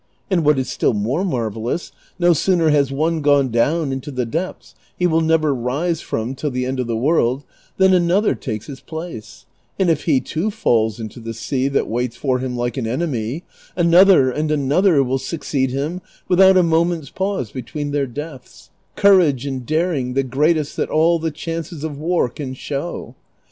And what is still more marvellous, no sooner has one gone down into the depths he will never rise from till the end of the world, than another takes his place ; and if he too falls into the sea that Avaits for him like an enemy, another and another will succeed him Avith out a jnoment's pause betAveen their deaths : courage and daring the greatest that all the chances of Avar can show.